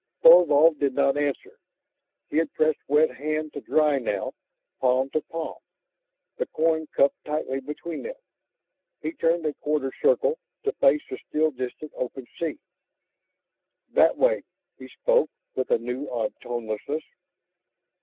Thorvald did not answer. He had pressed wet hand to dry now, palm to palm, the coin cupped tightly between them. He turned a quarter circle, to face the still distant open sea. "That way." He spoke with a new odd tonelessness.